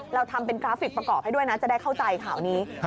เราทำเป็นกราฟิกประกอบให้ด้วยนะจะได้เข้าใจข่าวนี้